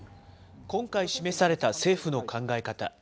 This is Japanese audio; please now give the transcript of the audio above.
今回示された政府の考え方。